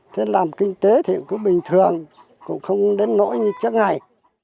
thế làm kinh tế thì cứ bình thường cũng không đến nỗi như trước ngày